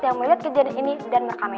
yang melihat kejadian ini dan merekam